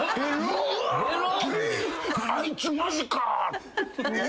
あいつマジか！？